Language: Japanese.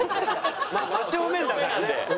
真正面だからね。